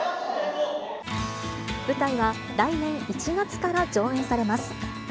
舞台は来年１月から上演されます。